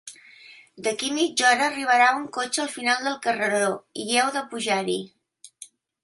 D'aquí mitja hora arribarà un cotxe al final del carreró i heu de pujar-hi.